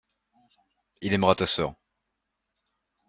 Il aimera ta sœur.